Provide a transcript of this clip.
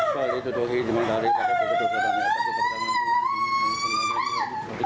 ปฏิวิตโทษให้จึงเป็นการเล็บการ